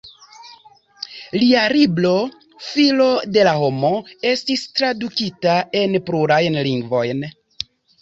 Lia libro "Filo de la homo" estis tradukita en plurajn lingvojn.